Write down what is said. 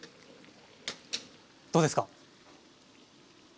どうですか？